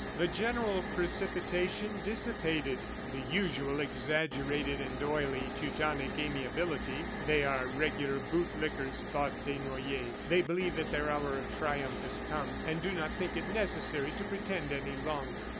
The general precipitation dissipated the usual exaggerated and oily Teutonic amiability. "They are regular bootlickers," thought Desnoyers. "They believe that their hour of triumph has come, and do not think it necessary to pretend any longer."